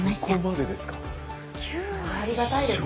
ありがたいですね。